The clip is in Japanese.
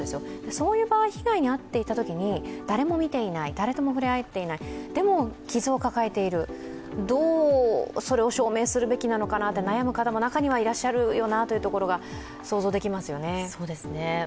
そういう場合、被害に遭った場合、誰も見ていない誰とも触れ合っていない、でも、傷を抱えているそれをどう証明するのか悩む方も中にはいらっしゃるよなということも想像できますよね。